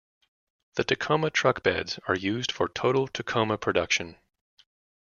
The Tacoma truck beds are used for total Tacoma production.